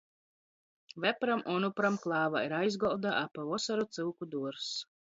Vepram Onupram klāvā ir aizgolda, a pa vosoru — cyuku duorzs.